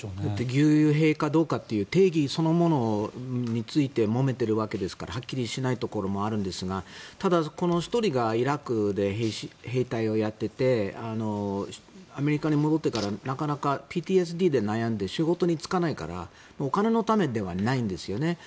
義勇兵かどうかという定義そのものについてもめているわけですからはっきりしないところもあるんですがただ、この１人がイラクで兵隊をやっていてアメリカに戻ってからなかなかＰＴＳＤで悩んで仕事に就かないからお金のためではないんですよね。